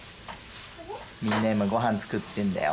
みんな今ごはん作ってんだよ。